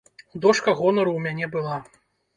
Дошка гонару у мяне была.